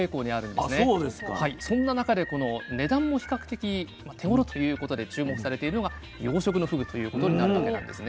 そんな中で値段も比較的手ごろということで注目されているのが養殖のふぐということになるわけなんですね。